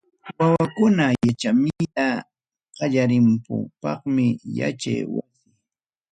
wawakuna yachamuyta qallarinankupaqmi yachay wasi.